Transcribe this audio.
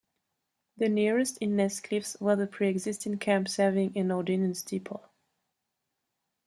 The nearest in Nesscliffe was a pre-existing camp serving an ordnance depot.